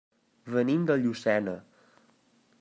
Venim de Llucena.